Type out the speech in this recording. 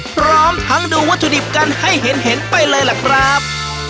พร้อมทั้งดูวัตถุดิบกันให้เห็นไปเลยล่ะครับ